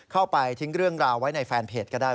เข้าไปทิ้งเรื่องราวไว้ในแฟนเพจก็ได้